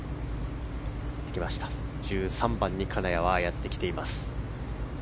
１３番に金谷がやってきています。